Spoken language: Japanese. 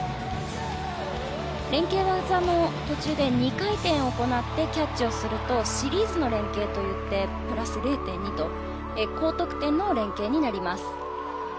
連係技も途中で２回転、行ってキャッチをするとシリーズの連係といってプラス０．２と高得点の連係になります。